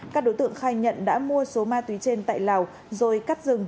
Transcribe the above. các đối tượng khai nhận đã mua số ma túy trên tại lào rồi cắt rừng